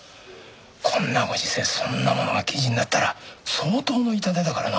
こんなご時世そんなものが記事になったら相当の痛手だからな。